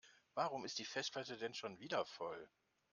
Warum ist die Festplatte denn schon wieder voll?